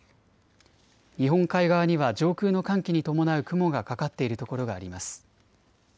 日本海側には上空の寒気に伴う雲がかかっている所があります。